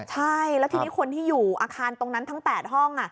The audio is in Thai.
ใช่แล้วทีนี้คนที่อยู่อาคารตรงนั้นทั้ง๘ห้อง